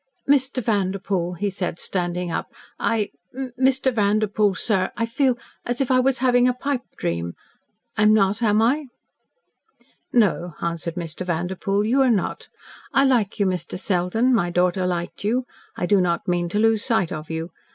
"Mr. Vanderpoel," he said, standing up, "I Mr. Vanderpoel sir I feel as if I was having a pipe dream. I'm not, am I?" "No," answered Mr. Vanderpoel, "you are not. I like you, Mr. Selden. My daughter liked you. I do not mean to lose sight of you.